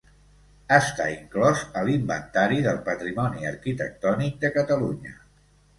Està inclòs a l’Inventari del Patrimoni Arquitectònic de Catalunya.